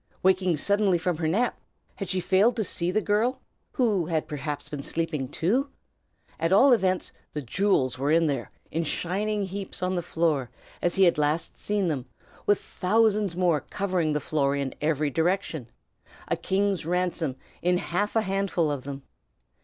Waking suddenly from her nap, had she failed to see the girl, who had perhaps been sleeping, too? At all events the jewels were there, in shining heaps on the floor, as he had last seen them, with thousands more covering the floor in every direction, a king's ransom in half a handful of them.